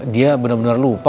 dia bener bener lupa